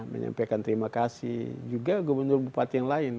menyampaikan terima kasih juga gubernur bupati yang lain